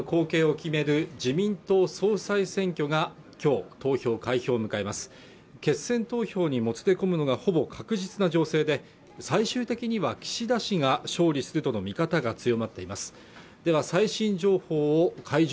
決選投票にもつれ込むのがほぼ確実な情勢で最終的には岸田氏が勝利するとの見方が強まっていますでは最新情報を会場